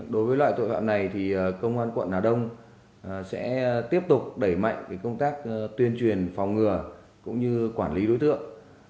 đối với loại tội phạm này thì công an quận hà đông sẽ tiếp tục đẩy mạnh công tác tuyên truyền phòng ngừa cũng như quản lý đối tượng